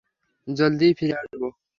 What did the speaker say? জলদিই ফিরে আসবো।